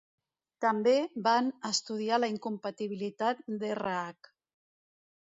També van estudiar la incompatibilitat d'Rh.